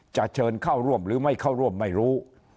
จะเชิญเข้าร่วมหรือไม่เข้าร่วมไม่รู้